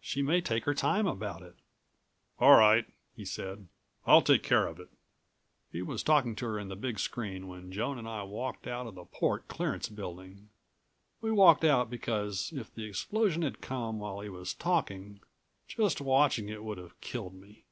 She may take her time about it." "All right," he said. "I'll take care of it." He was talking to her in the big screen when Joan and I walked out of the port clearance building. We walked out because, if the explosion had come while he was talking, just watching it would have killed me.